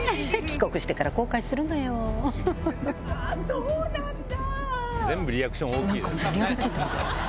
そうなんだ！